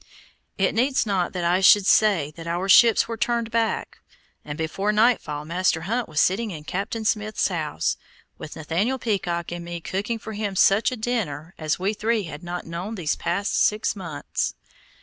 It needs not I should say that our ships were turned back, and before nightfall Master Hunt was sitting in Captain Smith's house, with Nathaniel Peacock and me cooking for him such a dinner as we three had not known these six months past.